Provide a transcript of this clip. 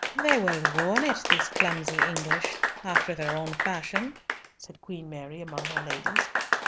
"They will ruin it, these clumsy English, after their own fashion," said Queen Mary, among her ladies.